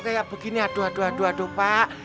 kayak begini aduh aduh aduh aduh pak